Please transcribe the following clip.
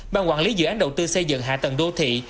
ban quản lý dự án đầu tư xây dựng hạ tầng đô thị